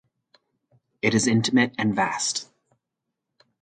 It is intimate and vast.